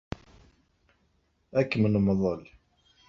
Ad kem-nemḍel.